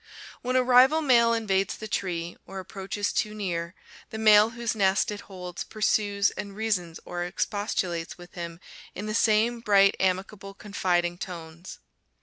When a rival male invades the tree, or approaches too near, the male whose nest it holds pursues and reasons or expostulates with him in the same bright, amicable, confiding tones.